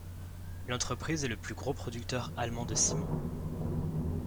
L'entreprise est le plus gros producteur allemand de ciment.